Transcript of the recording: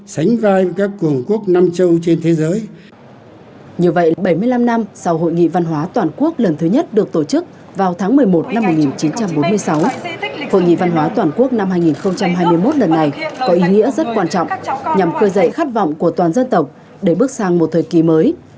sánh vai các quần quốc năm châu trên thế giới